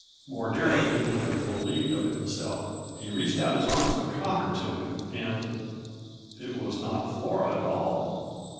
More daring than he would have believed of himself, he reached out his arms and caught her to him, and It was not Flora at all.